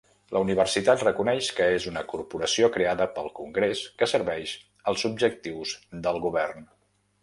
La universitat reconeix que és una corporació creada pel congrés que serveix els objectius del govern.